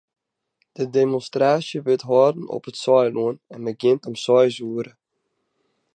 De demonstraasje wurdt hâlden op it Saailân en begjint om seis oere.